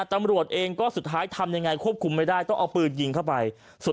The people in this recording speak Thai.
ตำรวจเองก็สุดท้ายทำยังไงควบคุมไม่ได้ต้องเอาปืนยิงเข้าไป